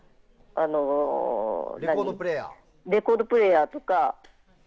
レコードプレーヤーとか。